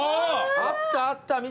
あったあった